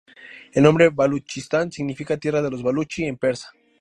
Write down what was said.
El nombre Baluchistán significa "Tierra de los baluchi" en persa.